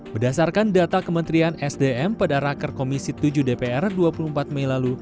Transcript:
berdasarkan data kementerian sdm pada raker komisi tujuh dpr dua puluh empat mei lalu